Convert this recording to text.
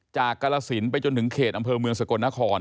กรสินไปจนถึงเขตอำเภอเมืองสกลนคร